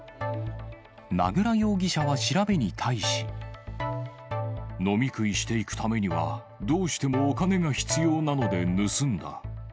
名倉容疑者は調べに対し。飲み食いしていくためには、どうしてもお金が必要なので盗んだ。